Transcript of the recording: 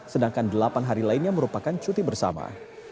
sedangkan delapan hari lainnya merupakan cuti bersama